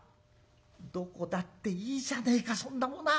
「どこだっていいじゃねえかそんなものは。